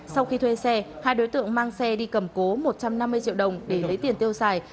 sau khi thuê xe hai đối tượng mang xe đi cầm cố một trăm năm mươi triệu đồng để lấy tiền tiêu xài